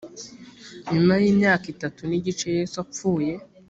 nyuma y’ imyaka itatu n‘igice yesu apfuye